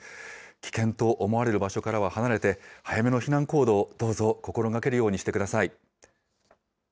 危険と思われる場所からは離れて、早めの避難行動をどうぞ心がけるようにしてください。